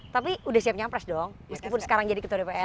tapi udah siap nyapres dong meskipun sekarang jadi ketua dpr